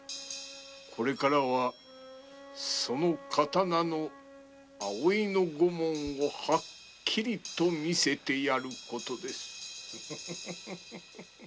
これからはその刀の葵のご紋をはっきりと見せてやる事です。